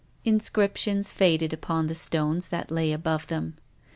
Inscriptions faded upon the stones that lay above them.